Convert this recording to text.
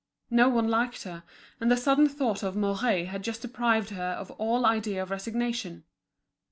No one liked her, and the sudden thought of Mouret had just deprived her of all idea of resignation.